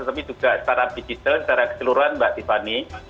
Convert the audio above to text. tapi juga secara digital secara keseluruhan mbak tiffany